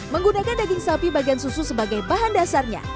menggunakan daging sapi bagian susu sebagai bahan dasarnya